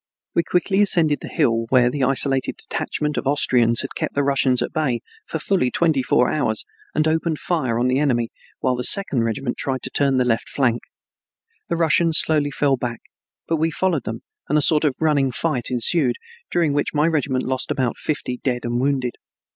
We quickly ascended the hill where the isolated detachment of Austrians had kept the Russians at bay for fully twenty four hours and opened fire on the enemy, while the second regiment tried to turn his left flank. The Russians slowly fell back but we followed them, and a sort of running fight ensued, during which my regiment lost about fifty dead and wounded.